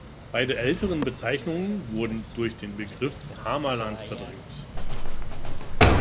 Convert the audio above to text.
Beide älteren Bezeichnungen wurden durch den Begriff Hamaland verdrängt.